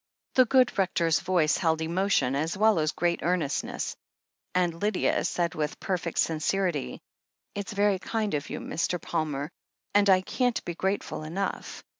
The good Rector's voice held emotion, as well as great earnestness, and Lydia said with perfect sin cerity : "It's very kind of you, Mr. Palmer, and I can't be grateful enough.